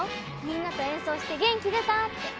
「みんなと演奏して元気出た」って。